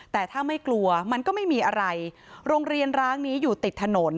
แต่ถ้าไม่กลัวมันก็ไม่มีอะไรโรงเรียนร้างนี้อยู่ติดถนน